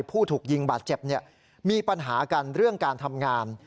ผู้ถูกยิงบาดเจ็บมีปัญหากันเรื่องการทำงาน